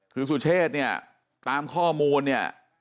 คือสุเชษเนี่ยตามข้อมูลเนี่ย